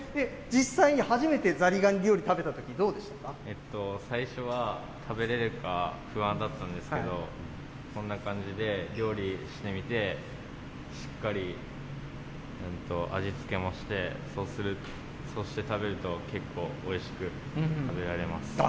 実際に初めてザリガニ料理食べた最初は食べれるか不安だったんですけど、こんな感じで料理してみて、しっかり味付けもして、そうして食べると結構おいしく食べられます。